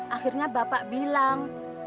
akhirnya bapak bilang